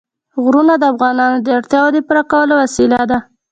غرونه د افغانانو د اړتیاوو د پوره کولو وسیله ده.